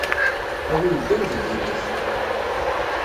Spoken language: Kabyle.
A wi iddan deg imi-k!